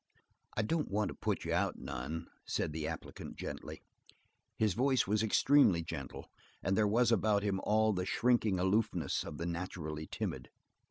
"I don't want to put you out none," said the applicant gently. His voice was extremely gentle, and there was about him all the shrinking aloofness of the naturally timid.